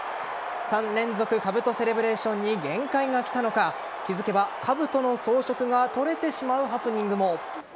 ３連続かぶとセレブレーションに限界が来たのか気付けば、かぶとの装飾が取れてしまうハプニングも。